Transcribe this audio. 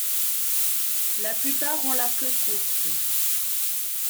La plupart ont la queue courte.